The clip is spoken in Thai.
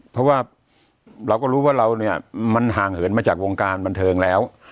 เพราะว่าเราก็รู้ว่าเราเนี่ยมันห่างเหินมาจากวงการบันเทิงแล้ว